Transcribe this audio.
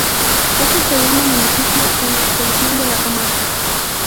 Es el segundo municipio en extensión de la comarca.